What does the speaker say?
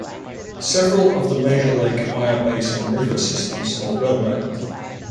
Several of the major Lake Eyre Basin river systems are well-known.